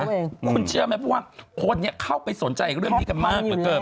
คุณเชื่อไหมเพราะว่าโคนเนี่ยเข้าไปสนใจกับเรื่องนี้มากไปเกิม